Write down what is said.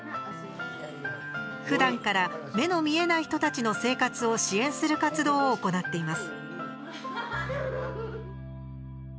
ふだんから目の見えない人たちの生活を支援する活動を行っています。